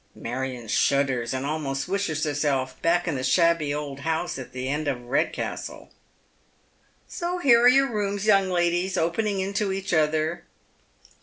Marion shudders, and almost wishes herself back in the shabby old house at the end of Redcastle. " So here are your rooms, young ladies, opening into each other."